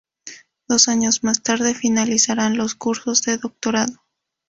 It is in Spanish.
Dos años más tarde finalizará los cursos de doctorado.